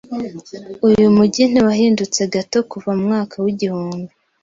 Uyu mujyi ntiwahindutse gato kuva mu myaka w’igihumbi .